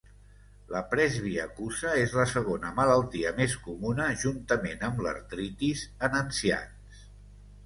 La presbiacusa és la segona malaltia més comuna juntament amb l'artritis en ancians.